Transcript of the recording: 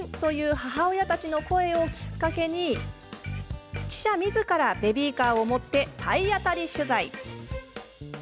母親たちの声をきっかけに記者みずからベビーカーを持って体当たり取材。